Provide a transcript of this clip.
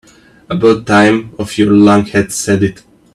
About time one of you lunkheads said it.